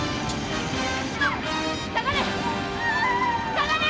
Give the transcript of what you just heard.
下がれ！